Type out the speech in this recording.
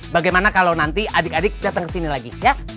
bagaimana kalo nanti adik adik dateng kesini lagi ya